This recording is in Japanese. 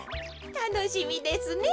たのしみですね。